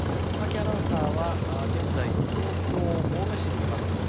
佐々木アナウンサーは現在、東京・青梅市にいます。